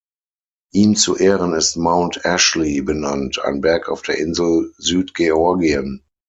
Ihm zu Ehren ist Mount Ashley benannt, ein Berg auf der Insel Südgeorgien.